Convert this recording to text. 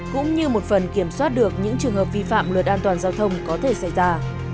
cũng như một phần kiểm soát được những trường hợp vi phạm luật an toàn giao thông có thể xảy ra